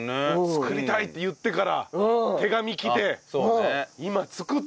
作りたいって言ってから手紙来て今作った。